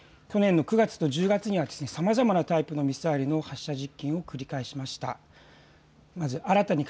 去年の９月と１０月にはさまざまなタイプのミサイルの発射実験を繰り返しました。